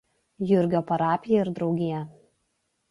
Jurgio parapiją ir draugiją.